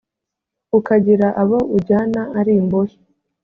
ukagira abo ujyana ari imbohe,